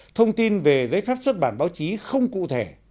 thông tin về giấy phép xuất bản báo chí không cụ thể